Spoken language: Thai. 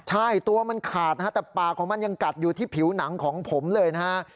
ใช่ตัวมันขาดนะฮะแต่ปากของมันยังกัดอยู่ที่ผิวหนังของผมเลยนะฮะ